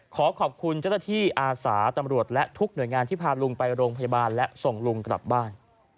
ขอขอบคุณเจ้าหน้าที่อาสาตำรวจและทุกหน่วยงานที่พาลุงไปโรงพยาบาลและส่งลุงกลับบ้าน